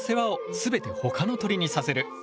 全てほかの鳥にさせる！